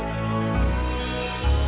walau tak bersama dia